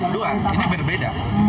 dua ini berbeda